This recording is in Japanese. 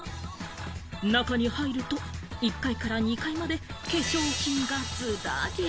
中に入ると、１階から２階まで化粧品がずらり！